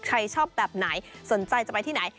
ใครชอบแบบไหนสนใจจะไปที่ไหน